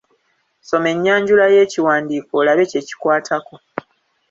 Soma ennyanjula y'ekiwandiiko olabe kye kikwatako.